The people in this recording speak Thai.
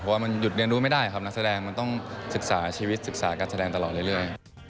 เพราะว่ามันหยุดเรียนรู้ไม่ได้ครับนักแสดงมันต้องศึกษาชีวิตศึกษาการแสดงตลอดเรื่อย